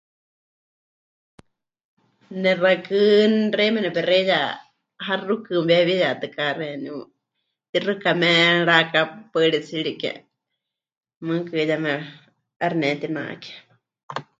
Nexakɨ́ xeíme nepexeiya haxukɨ mɨwewiyatɨká xeeníu, tixɨkame mɨrakapaɨrítsirike, mɨɨkɨ yeme 'aixɨ netinake.